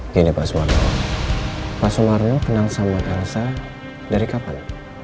gini pak sumarno pak sumarno kenal sama elsa dari kapan